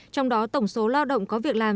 trong đó tổng số lao động có việc làm